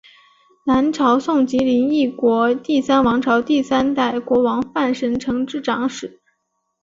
南朝宋及林邑国第三王朝第三代国王范神成之长史。